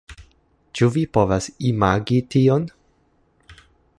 Ĉu vi povas imagi tion?